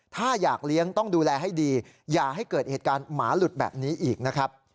ถ้าอยากเลี้ยงต้องดูแลให้ดีอย่าให้เกิดเหตุการณ์หมาหลุดแบบนี้อีกนะครับ